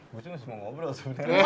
gue sih gak usah ngobrol sebenarnya